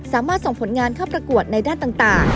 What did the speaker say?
สามารถส่งผลงานเข้าประกวดในด้านต่าง